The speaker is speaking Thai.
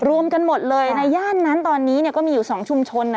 รวมกันหมดเลยในย่านนั้นตอนนี้เนี่ยก็มีอยู่๒ชุมชน